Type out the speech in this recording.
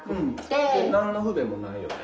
何の不便もないよね。